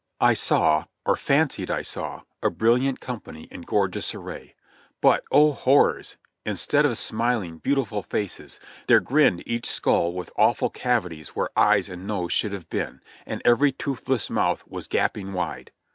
I saw, or fancied I saw, a brilliant company in gorgeous array —■ but, oh horrors ! Instead of smiling, beautiful faces, there grinned each skull with awful cavities where eyes and nose should have been, and every toothless mouth was gaping wide.